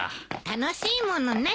楽しいものね。